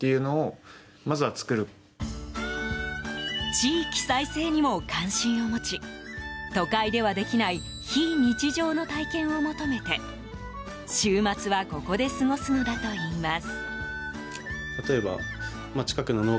地域再生にも関心を持ち都会ではできない非日常の体験を求めて週末はここで過ごすのだといいます。